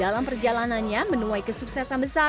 dalam perjalanannya menuai kesuksesan besar